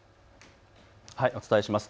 お伝えします。